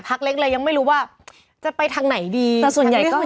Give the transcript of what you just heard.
พักเล็กยังไม่รู้ว่าจะไปทางไหนดี